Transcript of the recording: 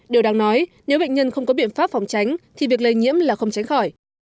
điều đáng nói nếu bệnh nhân không có biện pháp phòng tránh thì việc lây nhiễm là không tránh khỏi